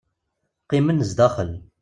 Qqimen sdaxel.